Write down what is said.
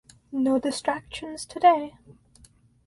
No distractions today.